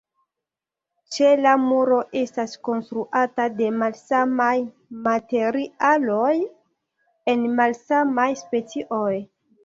Ĉela muro estas konstruata de malsamaj materialoj en malsamaj specioj.